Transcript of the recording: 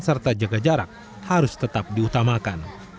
serta jaga jarak harus tetap diutamakan